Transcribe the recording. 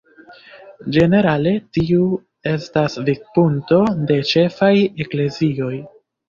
Ĝenerale tiu estas vidpunkto de ĉefaj eklezioj.